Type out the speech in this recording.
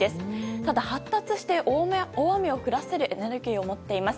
ただ、発達して大雨を降らせるエネルギーを持っています。